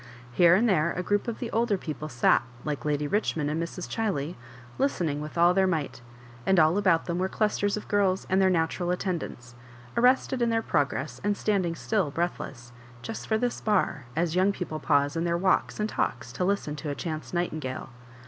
Here and there a group of the older people sat, like lady Richmond and Mrs. Chiley, listening. with all their might; and all about them were dusters of g^rls and their natural attendants, arrested in their pro gress, and standing still breathless, ''just for this bar," as young people pause in their walks and talks to listen to a chance nightingale.